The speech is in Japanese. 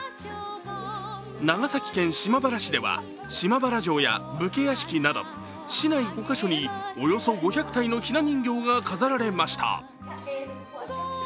長崎県島原市では、島原城や武家屋敷など市内５か所におよそ５００体のひな人形が飾られました。